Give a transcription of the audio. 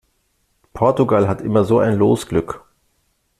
Portugal hat immer so ein Losglück!